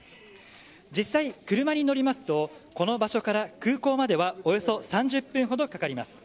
実際、車に乗りますとこの場所から空港まではおよそ３０分ほどかかります。